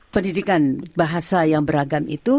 pendidikan bahasa yang beragam itu